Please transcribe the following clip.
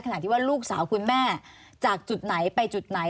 ขณะที่ว่าลูกสาวคุณแม่จากจุดไหนไปจุดไหน